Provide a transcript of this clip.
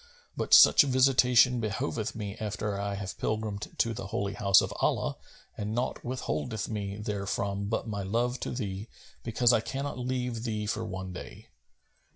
But such visitation behoveth me after I have pilgrimed to the Holy House of Allah[FN#259] and naught withholdeth me therefrom but my love to thee, because I cannot leave thee for one day."